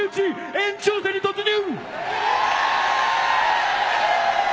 延長戦に突入！